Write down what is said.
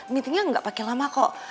meetingnya gak pake lama kok